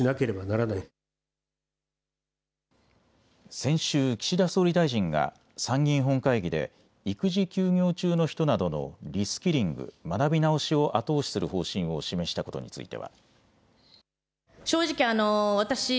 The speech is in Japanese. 先週、岸田総理大臣が参議院本会議で育児休業中の人などのリスキリング・学び直しを後押しする方針を示したことについては。